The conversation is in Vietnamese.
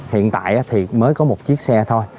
hiện tại thì mới có một chiếc xe thôi